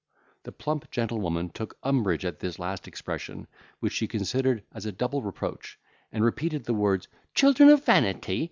The plump gentlewoman took umbrage at this last expression, which she considered as a double reproach, and repeated the words, "Children of vanity!"